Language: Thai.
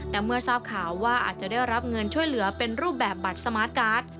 แต่เมื่อทราบข่าวว่าอาจจะได้รับเงินช่วยเหลือเป็นรูปแบบบัตรสมาร์ทการ์ด